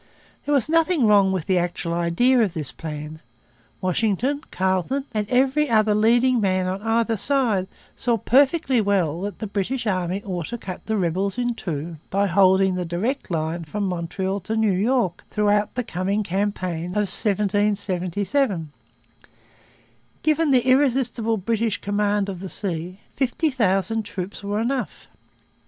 There was nothing wrong with the actual idea of this plan. Washington, Carleton, and every other leading man on either side saw perfectly well that the British army ought to cut the rebels in two by holding the direct line from Montreal to New York throughout the coming campaign of 1777. Given the irresistible British command of the sea, fifty thousand troops were enough.